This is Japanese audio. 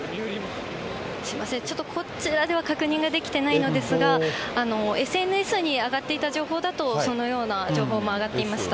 すみません、ちょっとこちらでは確認ができていないのですが、ＳＮＳに上がっていた情報だと、そのような情報も上がっていました。